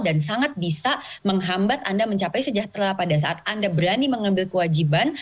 dan sangat bisa menghambat anda mencapai sejahtera pada saat anda berani mengambil kewajiban